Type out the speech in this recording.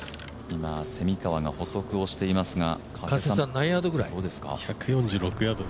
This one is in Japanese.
今、蝉川が補足をしていますが。